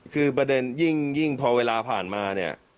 คือประเด็นยิ่งพอเวลาผ่านมาเนี่ย